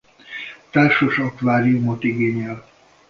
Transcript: Társas akváriumot igényel.